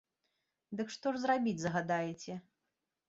Дык што ж зрабіць загадаеце?